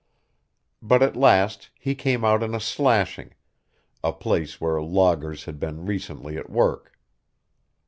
But at last he came out in a slashing, a place where loggers had been recently at work.